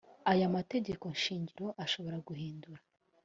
aya mategeko shingiro ashobora guhindurwa